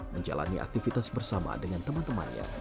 menjalani aktivitas bersama dengan teman temannya